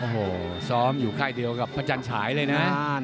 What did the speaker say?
โอ้โหซ้อมอยู่ค่ายเดียวกับพระจันฉายเลยนะ